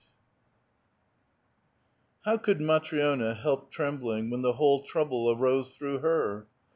How could Matri6na help trembling when the whole trouble arose through her?